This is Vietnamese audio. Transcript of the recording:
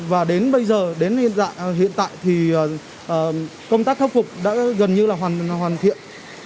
và đến bây giờ đến hiện tại thì công tác khắc phục đã gần như là hoàn thiện